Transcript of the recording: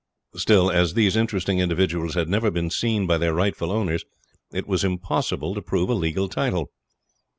Still, as these interesting individuals had never been seen by their rightful owners, it was impossible to prove a legal title.